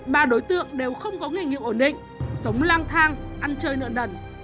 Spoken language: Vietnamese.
ba đối tượng đều không có nghề nghiệp ổn định sống lang thang ăn chơi nợn đần